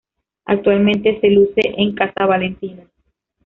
Actualmente se luce en "Casa Valentina".